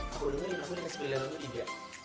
aku dengerin aku yang sepilih lagu tiga